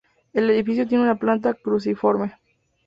El edificio tiene una planta cruciforme.